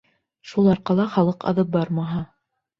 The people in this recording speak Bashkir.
Шул арҡала халыҡ аҙып бармаһа...